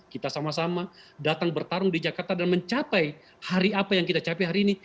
kita sama sama datang bertarung di jakarta dan mencapai hari apa yang kita capai hari ini